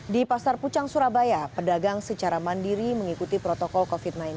di pasar pucang surabaya pedagang secara mandiri mengikuti protokol covid sembilan belas